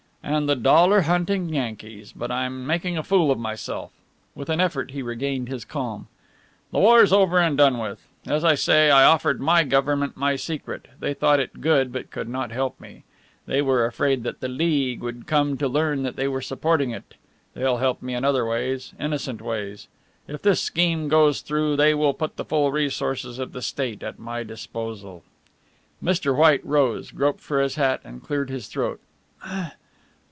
"And the dollar hunting Yankees but I'm making a fool of myself." With an effort he regained his calm. "The war's over and done with. As I say, I offered my Government my secret. They thought it good but could not help me. They were afraid that the League would come to learn they were supporting it. They'll help me in other ways innocent ways. If this scheme goes through they will put the full resources of the State at my disposal." Mr. White rose, groped for his hat and cleared his throat.